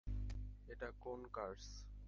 এটা কোন কার্স?